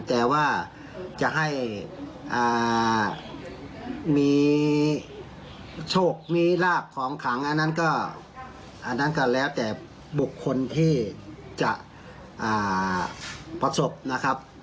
แต่ว่าจะให้มีโชคมีลาบของขังอันนั้นก็อันนั้นก็แล้วแต่บุคคลที่จะประสบนะครับ